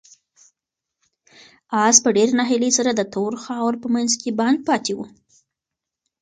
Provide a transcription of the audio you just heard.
آس په ډېرې ناهیلۍ سره د تورو خاورو په منځ کې بند پاتې و.